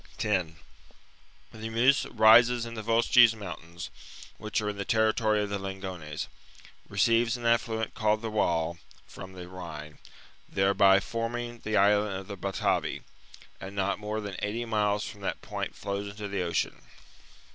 10 The Meuse rises in the Vosges moun The Meuse tams, which are m the territory of the Lingones, Rhine. receives an affluent called the Waal from the Rhine, thereby forming the island of the Batavi, and not more than eighty miles from that point flows into the Ocean.